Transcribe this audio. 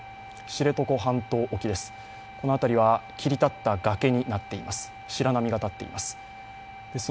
知床半島沖です、この辺りは切り立った崖になっています。